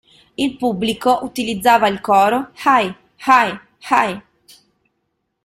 Il pubblico utilizzava il coro "Hi Hi Hi!